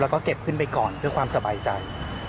แล้วก็เก็บขึ้นไปก่อนเพื่อความสบายใจ